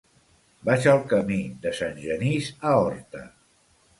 Vaig al camí de Sant Genís a Horta.